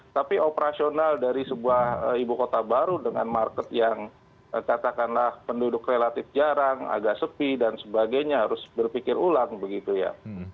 tapi operasional dari sebuah ibu kota baru dengan market yang katakanlah penduduk relatif jarang agak sepi dan sebagainya harus berpikir ulang begitu ya